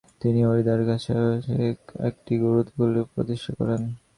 তিনি হরিদ্বারের কাছে ভারতের কাংড়িতে একটি গুরুকুল প্রতিষ্ঠা করেন।